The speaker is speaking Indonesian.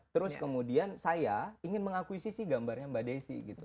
terus kemudian saya ingin mengakuisisi gambarnya mbak desi gitu